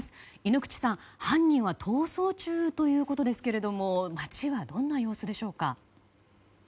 猪ノ口さん、犯人は逃走中ということですが街はどんな様子でしょうか？